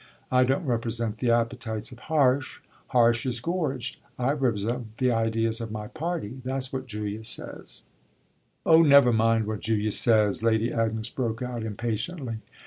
I don't represent the appetites of Harsh Harsh is gorged. I represent the ideas of my party. That's what Julia says." "Oh never mind what Julia says!" Lady Agnes broke out impatiently.